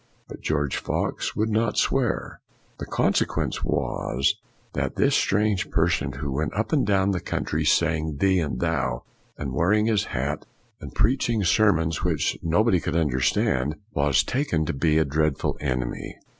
But George Fox would not swear. The consequence was that this strange person who went up and down the coun FOX 281 try saying, " thee ' and " thou," and wear ing his hat, and preaching sermons which nobody could understand, was taken to be a dreadful enemy.